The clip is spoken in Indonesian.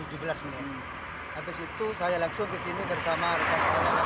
habis itu saya langsung ke sini bersama rekan saya